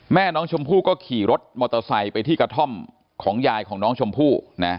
แม่น้องชมพู่ก็ขี่รถมอเตอร์ไซค์ไปที่กระท่อมของยายของน้องชมพู่นะ